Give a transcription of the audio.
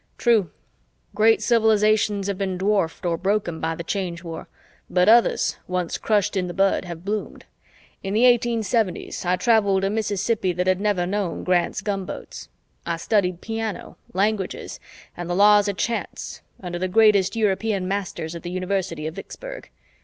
"True, great civilizations have been dwarfed or broken by the Change War. But others, once crushed in the bud, have bloomed. In the 1870s, I traveled a Mississippi that had never known Grant's gunboats. I studied piano, languages, and the laws of chance under the greatest European masters at the University of Vicksburg."